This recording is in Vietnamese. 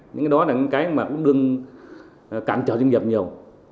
những cái đó là những cái mà cũng đương cản trở doanh nghiệp nhiều